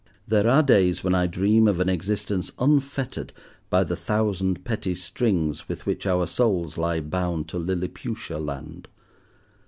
There are days when I dream of an existence unfettered by the thousand petty strings with which our souls lie bound to Lilliputia land.